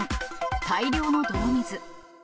大量の泥水。